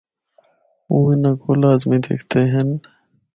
او اِنّاں کو لازی دِکھدے ہن۔